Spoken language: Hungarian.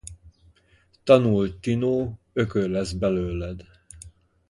Tanulj tinó, ökör lesz belőled.